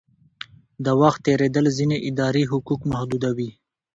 د وخت تېرېدل ځینې اداري حقوق محدودوي.